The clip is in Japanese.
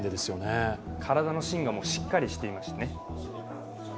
体の芯がしっかりしていましてね